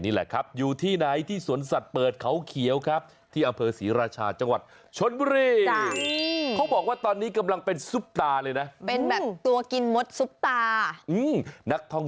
นักท่องเที่ยวที่เค้าเดินทางไปที่นั้นนะ